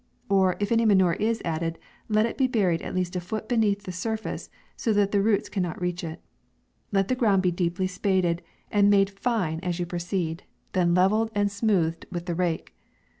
Or, if any manure is added, let it be buried at least a foot beneath the surface, so that the roots cannot reach it. Let the ground be deep spaded, and made fine as you H 86 MAY. proceed, then levelled, and smoothed with the rake.